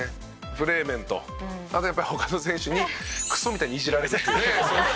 プレー面とあとやっぱ他の選手にクソみたいにイジられてるっていうね。